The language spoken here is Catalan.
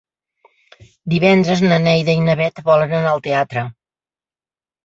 Divendres na Neida i na Bet volen anar al teatre.